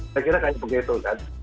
saya kira kayak begitu kan